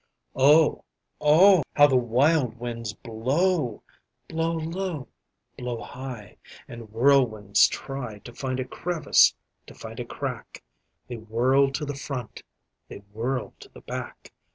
Oh, oh, how the wild winds blow! Blow low, Blow high, And whirlwinds try To find a crevice to find a crack, They whirl to the front; they whirl to the back.